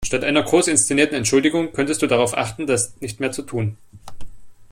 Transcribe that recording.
Statt einer groß inszenierten Entschuldigung könntest du darauf achten, das nicht mehr zu tun.